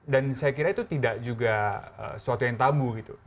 dan saya kira itu tidak juga sesuatu yang tabu gitu